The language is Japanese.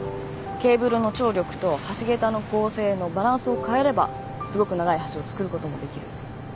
ケーブルの張力と橋げたの剛性のバランスを変えればすごく長い橋を造ることもできる。